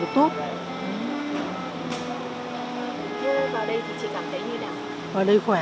vào đây thì chị cảm thấy như thế nào